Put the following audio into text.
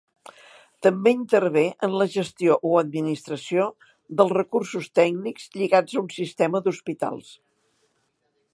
També intervé en la gestió o administració dels recursos tècnics lligats a un sistema d'hospitals.